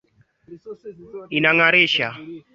Nchi hiyo imepambana kuwa nchi yenye uchumi imara